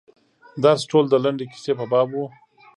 درس ټول د لنډې کیسې په باب و.